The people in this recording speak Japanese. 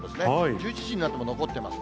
１１時になっても残ってます。